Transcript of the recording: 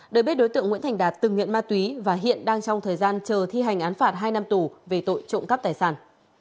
được biết đối tượng nguyễn thành đạt từng nghiện ma túy và hiện đang trong thời gian chờ thi hành án phạt hai năm tù về tội trộm cắp tài sản